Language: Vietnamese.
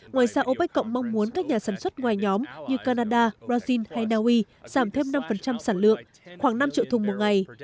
ngoài ra opec cộng mong muốn các nhà sản xuất ngoài nhóm như canada brazil hay naui giảm thêm năm sản lượng khoảng năm triệu thùng một ngày